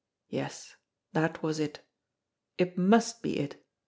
Yes, that was it. It must be it.